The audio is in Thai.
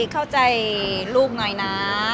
เข้าใจลูกหน่อยนะ